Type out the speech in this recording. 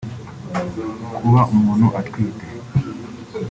kuba umuntu atwite